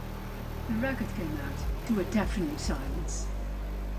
The record came out to a deafening silence.